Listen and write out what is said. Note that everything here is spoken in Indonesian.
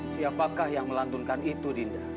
siapakah yang melantunkan itu dinda